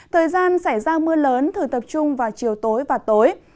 thời gian xảy ra mưa lớn thử tập trung vào chiều tối và tối